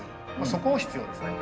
そこ必要ですね。